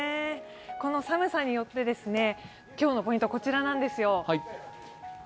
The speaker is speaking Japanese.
この寒さによってですね、今日のポイントはこちらなんですよ。